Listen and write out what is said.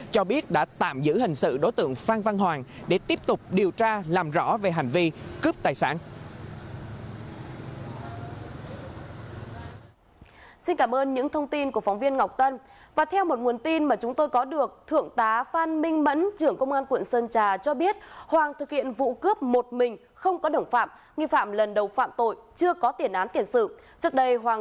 cho biết đã tạm giữ hành sự đối tượng phan văn hoàng để tiếp tục điều tra làm rõ về hành vi cướp tài sản